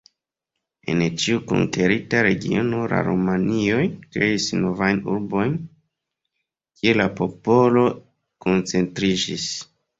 En ĉiu konkerita regiono la romianoj kreis novajn urbojn, kie la popolo koncentriĝis.